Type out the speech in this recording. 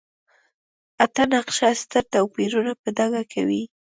اته نقشه ستر توپیرونه په ډاګه کوي.